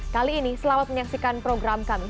kali ini selamat menyaksikan program kami